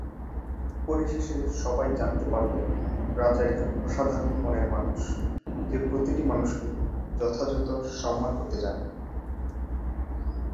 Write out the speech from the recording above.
পরিশেষে সবাই জানতে পারল রাজা একজন অসাধারণ মনের মানুষ, যে প্রতিটি মানুষকে যথাযথ সম্মান করতে জানে।